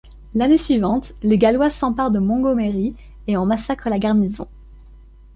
L'année suivante, les Gallois s'empare de Montgomery et en massacrent la garnison.